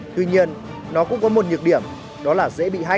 tuy nhiên nó cũng có một nhược điểm đó là dễ bị hack